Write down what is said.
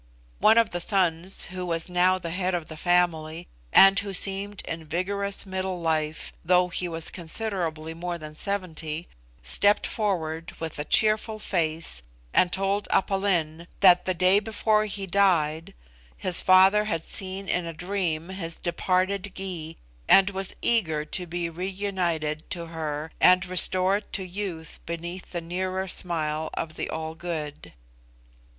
One of the sons, who was now the head of the family, and who seemed in vigorous middle life, though he was considerably more than seventy, stepped forward with a cheerful face and told Aph Lin "that the day before he died his father had seen in a dream his departed Gy, and was eager to be reunited to her, and restored to youth beneath the nearer smile of the All Good."